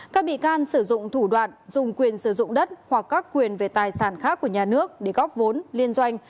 các bị can sử dụng thủ đoạn dùng quyền sử dụng đất hoặc các quyền về tài sản khác của nhà nước để góp vốn liên doanh